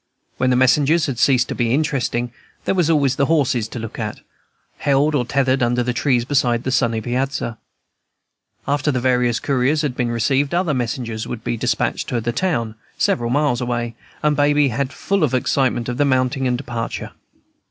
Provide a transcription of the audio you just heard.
When the messengers had ceased to be interesting, there were always the horses to look at, held or tethered under the trees beside the sunny piazza. After the various couriers had been received, other messengers would be despatched to the town, seven miles away, and Baby had all the excitement of their mounting and departure.